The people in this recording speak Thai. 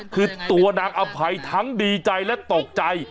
คือตัวนางอภัยทั้งดีใจและตกใจ